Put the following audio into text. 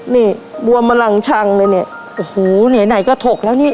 นี่บวมมาหลังชังเลยเนี่ยโอ้โหเนี่ยไหนก็ถกแล้วนี่